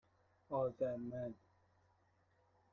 آذرمَن